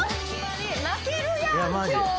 泣けるやん今日！